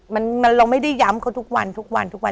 มันเราไม่ได้ย้ำเขาทุกวันทุกวันทุกวัน